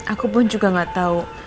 aku pun juga gak tahu